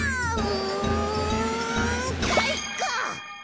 うんかいか！